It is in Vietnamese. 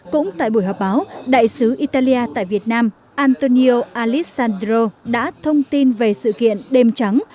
cũng tại buổi họp báo đại sứ italia tại việt nam antonio alessandro đã thông tin về sự kiện đêm trắng